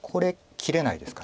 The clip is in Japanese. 切れないですね。